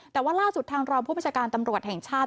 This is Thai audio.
แต่ว่าล่าสุดทางรองผู้บัญชาการตำรวจแห่งชาติ